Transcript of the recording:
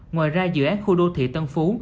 ngoài ra dự án khu đô thị tân phú